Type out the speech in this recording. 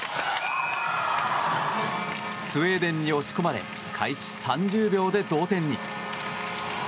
スウェーデンに押し込まれ開始３０秒で同点に。